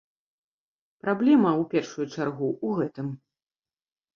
Праблема, у першую чаргу, у гэтым.